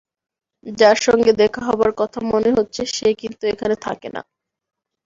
যার সঙ্গে দেখা হবার কথা মনে হচ্ছে, সে কিন্তু এখানে থাকে না।